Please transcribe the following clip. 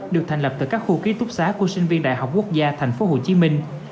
được thành lập từ các khu ký túc xá của sinh viên đại học quốc gia thành phố hồ chí minh